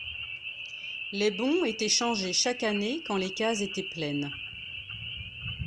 Les bons étaient changés chaque année quand les cases étaient pleines.